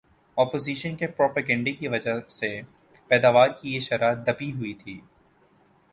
opposition کے propaganda کی وجہ سے پیداوار کی یہ شرح دبی ہوئی تھی